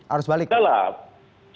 arus balik sudahlah